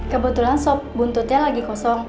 kebetulan sop buntutnya lagi kosong